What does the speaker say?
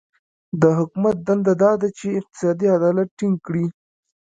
د حکومت دنده دا ده چې اقتصادي عدالت ټینګ کړي.